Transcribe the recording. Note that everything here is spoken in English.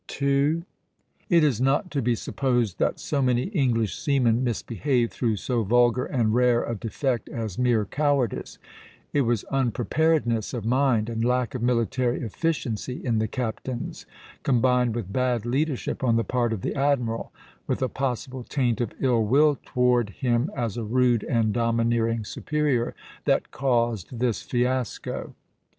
It is not to be supposed that so many English seamen misbehaved through so vulgar and rare a defect as mere cowardice; it was unpreparedness of mind and lack of military efficiency in the captains, combined with bad leadership on the part of the admiral, with a possible taint of ill will toward him as a rude and domineering superior, that caused this fiasco.